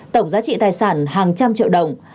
tổng giá trị tài sản hàng trăm triệu đồng